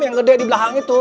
yang gede di belakang itu